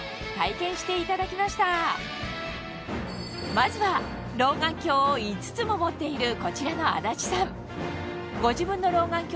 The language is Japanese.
まずは老眼鏡を５つも持っているこちらの安達さん